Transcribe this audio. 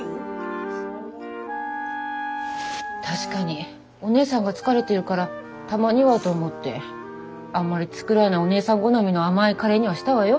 確かにお姉さんが疲れてるからたまにはと思ってあんまり作らないお姉さん好みの甘いカレーにはしたわよ？